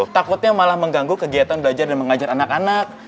takutnya malah mengganggu kegiatan belajar dan mengajar anak anak